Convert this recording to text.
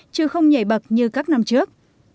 chứ không nhảy bậc như các năm trước